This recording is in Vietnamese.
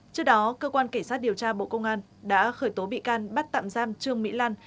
trước đó cơ quan kể sát điều tra bộ công an đã khởi tố bị can bắt tạm giam trương mỹ lan